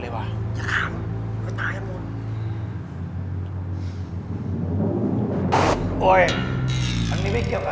ลาทางคน้องแค้นนี้โอกาสเตียงเก่า